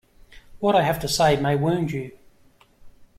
What I have to say may wound you.